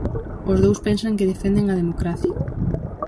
Os dous pensan que defenden a democracia.